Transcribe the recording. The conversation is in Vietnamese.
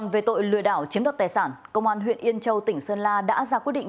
về tội lừa đảo chiếm đoạt tài sản công an huyện yên châu tỉnh sơn la đã ra quyết định